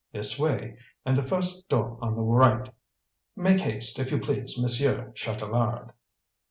"This way, and then the first door on the right. Make haste, if you please, Monsieur Chatelard."